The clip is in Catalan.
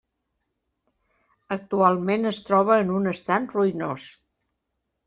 Actualment es troba en un estat ruïnós.